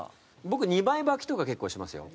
僕２枚穿きとか結構しますよ。